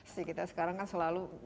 jadi kita sekarang kan selalu